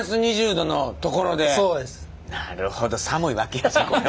なるほど寒いわけやな